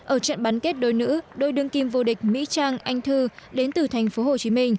ở trận bán kết đôi nữ đôi đương kim vô địch mỹ trang anh thư đến từ tp hcm